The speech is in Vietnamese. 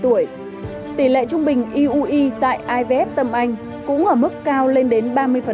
tỷ lệ trung bình eui tại ivf tâm anh cũng ở mức cao lên đến ba mươi